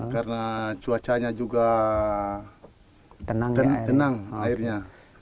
karena cuacanya juga tenang akhirnya